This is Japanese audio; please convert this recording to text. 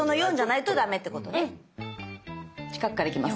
近くからいきます。